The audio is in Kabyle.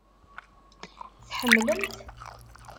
Tḥemmlem-t?